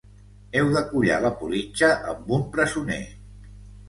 Heu de collar la politja amb un presoner